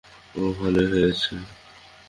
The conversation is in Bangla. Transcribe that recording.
ও ভালোই হয়েছে।